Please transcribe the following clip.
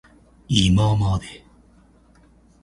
いままで